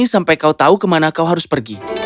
sampai kau tahu kemana kau harus pergi